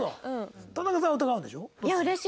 田中さん疑うんでしょ？